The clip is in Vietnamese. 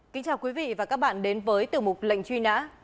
kính chào quý vị và các bạn đến với tiểu mục lệnh truy nã